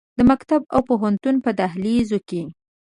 د مکتب او پوهنتون په دهلیزو کې